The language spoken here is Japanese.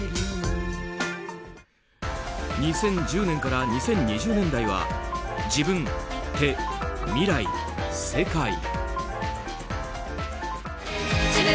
２０１０年から２０２０年代は自分、手、未来、世界。